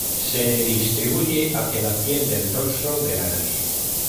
Se distribuye hacia la piel del "dorso de la nariz".